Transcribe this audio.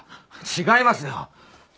違いますよ。